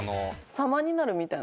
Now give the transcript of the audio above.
様になるみたいな？